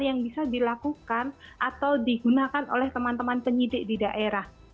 yang bisa dilakukan atau digunakan oleh teman teman penyidik di daerah